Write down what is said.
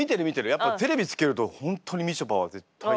やっぱテレビつけると本当にみちょぱは絶対に出てる。